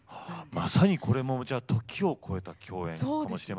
まさにこれも時を超えた共演かもしれませんね。